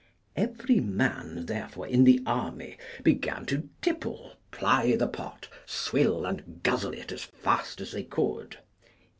Every man, therefore, in the army began to tipple, ply the pot, swill and guzzle it as fast as they could.